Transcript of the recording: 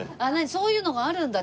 そういうのがあるんだ？